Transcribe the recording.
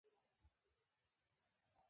د موټر انجن باید پاک او سالم وي.